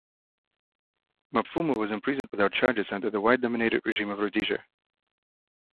Mapfumo was imprisoned without charges under the white-dominated regime of Rhodesia.